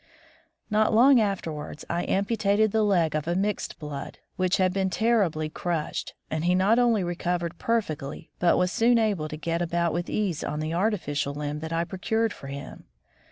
Not long afterwards, I amputated the leg of a mixed blood, which had been terribly crushed, and he not only recovered perfectly but was soon able to get about with ease on the artificial limb that I procured for him.